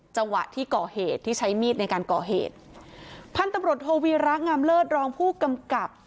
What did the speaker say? จังหวะที่ก่อเหตุที่ใช้มีดในการก่อเหตุพันธุ์ตำรวจโทวีระงามเลิศรองผู้กำกับ